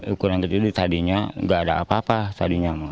ukuran kecilnya tadinya nggak ada apa apa